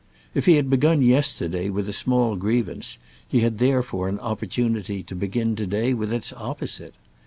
If he had begun yesterday with a small grievance he had therefore an opportunity to begin to day with its opposite.